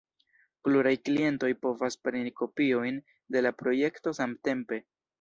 Pluraj klientoj povas preni kopiojn de la projekto samtempe.